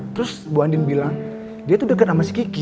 terus bu andin bilang dia tuh deket sama si kiki